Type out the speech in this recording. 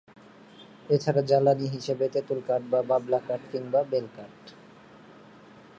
এছাড়া জ্বালানী হিসেবে তেঁতুল কাঠ বা বাবলা কাঠ কিংবা বেলকাঠ।